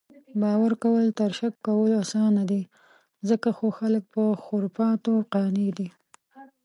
باؤر کؤل تر شک کؤلو اسانه دي، ځکه خو خلک پۀ خُرفاتو قانع دي